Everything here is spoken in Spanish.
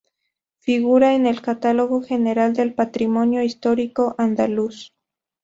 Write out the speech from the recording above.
Figura en el Catálogo General del Patrimonio Histórico Andaluz.